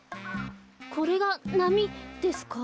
これがなみですか？